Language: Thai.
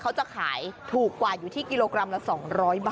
เขาจะขายถูกกว่าอยู่ที่กิโลกรัมละ๒๐๐บาท